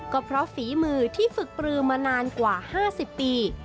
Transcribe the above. ก็เพราะฝีมือที่ฝึกปลือมานานกว่า๕๐ปี